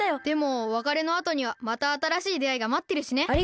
でもわかれのあとにはまたあたらしいであいがまってるしね。